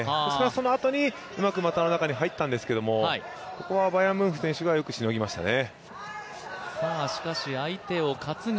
そのあとにうまく股の中に入ったんですけど、ここはバヤンムンフ選手が、よくしのぎましたね。